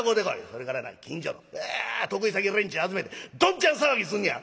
それからな近所の得意先連中集めてどんちゃん騒ぎすんねや！」。